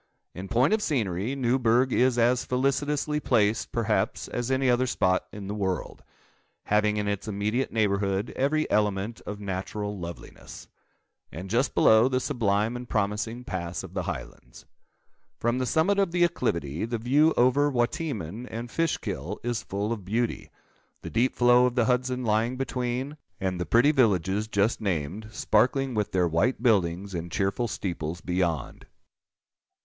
In point of scenery, Newburgh is as felicitously placed, perhaps, as any other spot in the world, having in its immediate neighbourhood every element of natural loveliness; and, just below, the sublime and promising Pass of the Highlands. From the summit of the acclivity, the view over Wateaman and Fishkill is full of beauty; the deep flow of the Hudson lying between, and the pretty villages just named, sparkling with their white buildings and cheerful steeples, beyond.